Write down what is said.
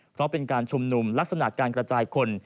เพราะเป็นการชุมนุมลักษณะการกระจายคน